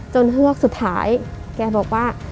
เฮือกสุดท้ายแกบอกว่า